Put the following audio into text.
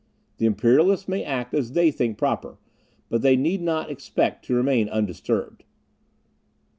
The Imperialists may act as they think proper, but they need not expect to remain undisturbed."